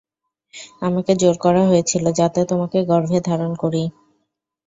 আমাকে জোর করা হয়েছিল যাতে তোমাকে গর্ভে ধারণ করি।